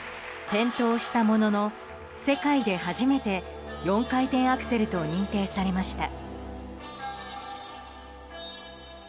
転倒したものの世界で初めて４回転アクセルと認定されました。